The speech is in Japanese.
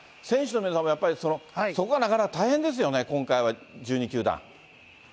選手の皆さんもやっぱり、そこがなかなか大変ですよね、今回は１２球団。